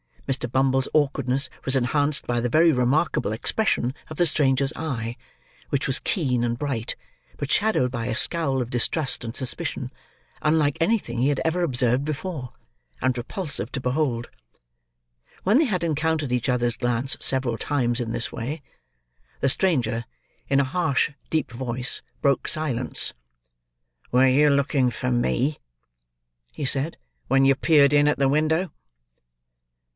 Mr. Bumble's awkwardness was enhanced by the very remarkable expression of the stranger's eye, which was keen and bright, but shadowed by a scowl of distrust and suspicion, unlike anything he had ever observed before, and repulsive to behold. When they had encountered each other's glance several times in this way, the stranger, in a harsh, deep voice, broke silence. "Were you looking for me," he said, "when you peered in at the window?"